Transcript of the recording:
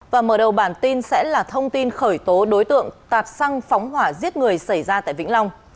và mở đầu bản tin sẽ là thông tin khởi tố đối tượng tạt xăng phóng hỏa giết người xảy ra tại vĩnh long